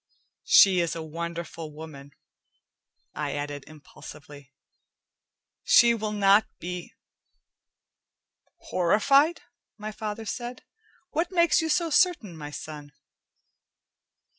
She is a wonderful woman," I added impulsively. "She will not be " "Horrified?" my father said. "What makes you so certain, my son?"